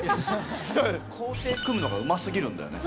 行程組むのがうますぎるんだよね。